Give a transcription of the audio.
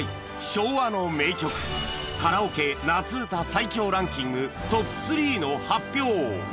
昭和の名曲』『カラオケ夏うた最強ランキング』トップ３の発表